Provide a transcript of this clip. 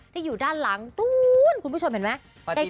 ที่อยู่ด้านหลังนู้นคุณผู้ชมเห็นไหม